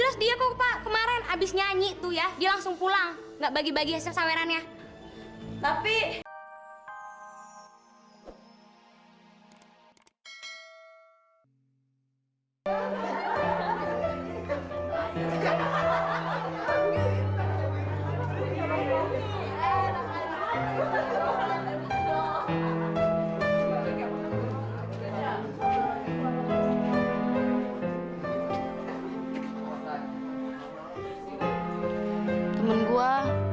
sampai jumpa di video selanjutnya